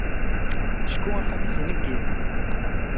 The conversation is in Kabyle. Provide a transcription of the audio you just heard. Acku axxam-is ineggi.